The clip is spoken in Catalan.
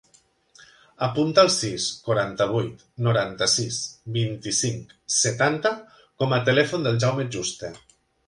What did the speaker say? Apunta el sis, quaranta-vuit, noranta-sis, vint-i-cinc, setanta com a telèfon del Jaume Juste.